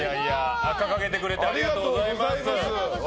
掲げてくれてありがとうございます。